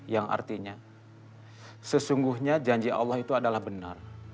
yang artinya sesungguhnya janji allah itu adalah benar